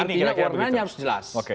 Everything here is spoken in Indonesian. artinya warnanya harus jelas